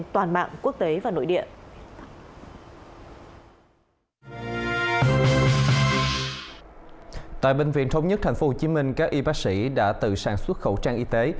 thống nhất thành phố hồ chí minh các y bác sĩ đã tự sản xuất khẩu trang y tế